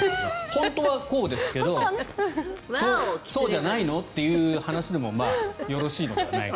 本当はこうですけどそうじゃないの？という話でもまあよろしいのではないかと。